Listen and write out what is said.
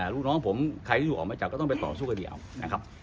ลูกน้องผมใครที่ถูกออกมาจับก็ต้องไปต่อสู้คดีเอานะครับ